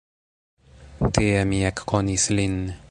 Tie mi ekkonis lin.